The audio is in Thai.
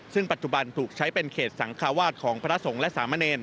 ซึ่งปัจจุบันถูกใช้เป็นเขตสังคาวาสของพระสงฆ์และสามเณร